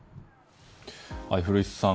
古市さん